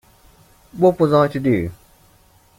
What was I to do?